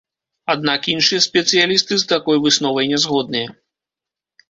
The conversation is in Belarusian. Аднак іншыя спецыялісты з такой высновай ня згодныя.